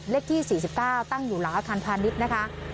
เลขที่สี่สิบเก้าตั้งอยู่หลังอาคารพาณิชย์นะคะ